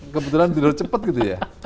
kebetulan tidur cepat gitu ya